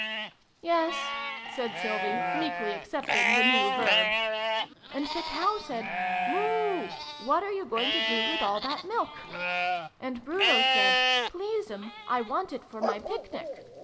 " Yes," said Sylvie, meekly accepting the new verb. " And the Cow said ' Moo ! What are you going to do with all that Milk ?' And Bruno said ' Please'm, I want it for my Picnic.'